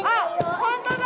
本当だ。